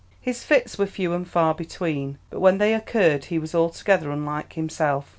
His fits were few and far between, but when they occurred he was altogether unlike himself.